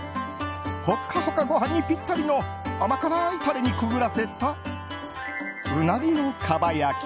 ホッカホカご飯にぴったりの甘辛いタレにくぐらせたうなぎのかば焼き。